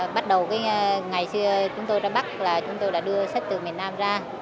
bắt đầu ngày xưa chúng tôi ra bắc là chúng tôi đã đưa sách từ miền nam ra